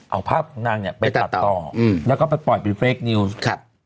เอาภาพของนางเนี่ยไปตัดต่อแล้วก็ไปปล่อยเป็นเฟซนิวส์